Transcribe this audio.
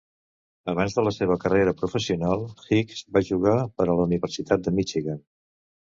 Abans de la seva carrera professional, Hicks va jugar per a la Universitat de Michigan.